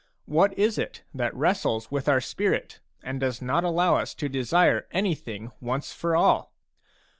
What is it that wrestles with our spirit, and does not allow us to desire anything once for all